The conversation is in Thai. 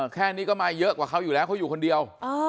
แค่นี้ก็มาเยอะกว่าเขาอยู่แล้วเขาอยู่คนเดียว